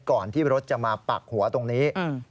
ก่อนที่รถจะมาปักหัวตรงนี้